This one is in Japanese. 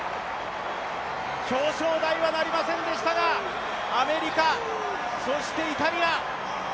表彰台はなりませんでしたがアメリカ、そしてイタリア。